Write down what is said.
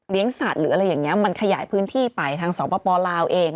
เลี้ยงสัตว์หรืออะไรอย่างนี้มันขยายพื้นที่ไปทางสองประปอล์ลาวเอง